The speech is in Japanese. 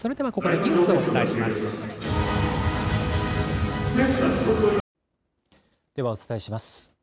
ではお伝えします。